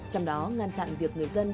trong đó ngăn chặn việc người dân